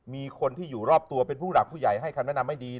มีคนที่อยู่รอบตัวเป็นผู้หลักผู้ใหญ่ให้คำแนะนำให้ดี